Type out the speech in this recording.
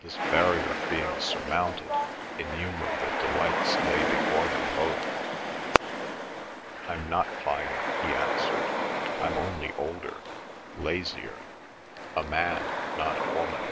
This barrier being surmounted, innumerable delights lay before them both. "I'm not finer," he answered. "I'm only older, lazier; a man, not a woman."